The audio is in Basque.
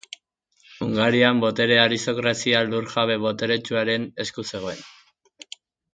Hungarian, boterea aristokrazia lur-jabe boteretsuaren esku zegoen.